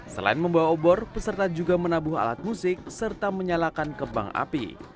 selain membawa obor peserta juga menabuh alat musik serta menyalakan kebang api